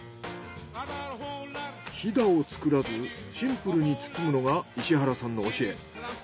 ヒダを作らずシンプルに包むのが石原さんの教え。